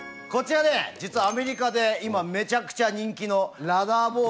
こちらね実はアメリカで今めちゃくちゃ人気の。